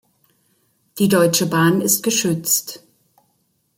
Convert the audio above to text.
Die Deutsche Bahn ist geschützt.